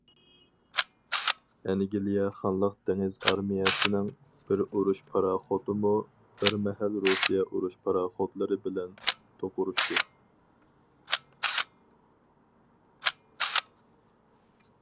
ئەنگلىيە خانلىق دېڭىز ئارمىيەسىنىڭ بىر ئۇرۇش پاراخوتىمۇ بىر مەھەل رۇسىيە ئۇرۇش پاراخوتلىرى بىلەن دوقۇرۇشتى.